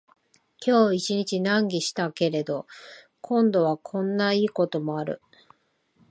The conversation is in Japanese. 今日一日難儀したけれど、今度はこんないいこともある